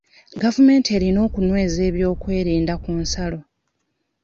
Gavumenti erina okunyweza eby'okwerinda ku nsalo.